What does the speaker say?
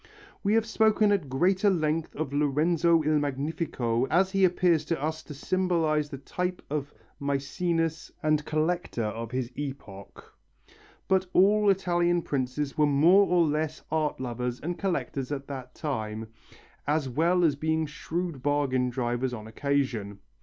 We have spoken at greater length of Lorenzo il Magnifico as he appears to us to symbolize the type of Mæcenas and collector of his epoch, but all Italian princes were more or less art lovers and collectors at that time, as well as being shrewd bargain drivers on occasion.